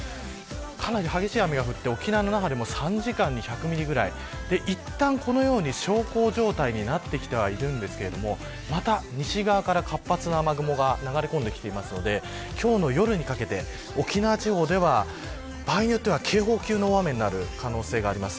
かなり激しい雨が降って沖縄の那覇でも３時間に１００ミリぐらいいったん、このように小康状態になってきてはいるんですがまた西側から、活発な雨雲が流れ込んできているので今日の夜にかけて、沖縄地方では場合によっては警報級の大雨になる可能性があります。